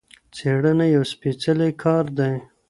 څېړنه یو سپیڅلی کار دی.